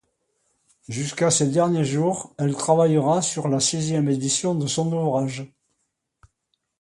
Jusqu'à ses derniers jours, elle travaillera sur la sixième édition de son ouvrage.